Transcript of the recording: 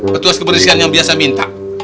petugas kebersihan yang biasa minta